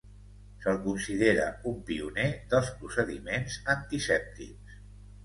Se'l considera un pioner dels procediments antisèptics.